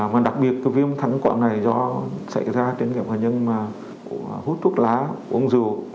mà đặc biệt cái viêm thanh quản này do xảy ra trên các bệnh nhân mà hút thuốc lá uống rượu